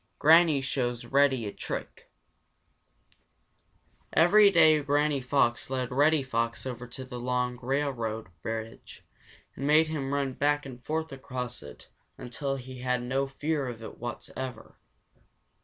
Granny Shows Reddy a Trick Every day Granny Fox led Reddy Fox over to the long railroad bridge and made him run back and forth across it until he had no fear of it whatever.